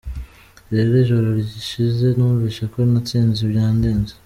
Rero ijoro rishize numvise ko natsinze byandenze.